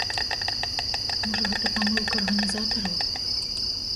Можа, гэта памылка арганізатараў?